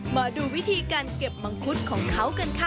มาดูวิธีการเก็บมังคุดของเขากันค่ะ